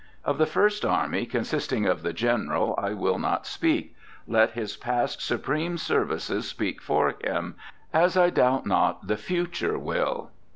Of the first army, consisting of the General, I will not speak. Let his past supreme services speak for him, as I doubt not the future will.